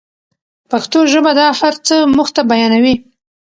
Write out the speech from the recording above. پښتو ژبه دا هر څه موږ ته بیانوي.